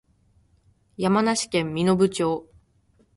山梨県身延町